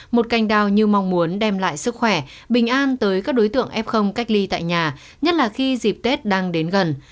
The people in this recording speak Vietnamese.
một cành đào như mong muốn đem lại sức khỏe bình an tới các đối tượng f cách ly tại nhà nhất là khi dịp tết đang đến gần